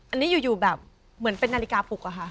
อันนี้อยู่แบบเหมือนเป็นนาฬิกาปลุกอะค่ะ